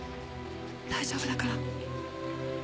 大丈夫だから。